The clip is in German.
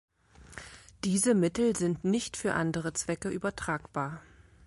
Diese Mittel sind nicht für andere Zwecke übertragbar.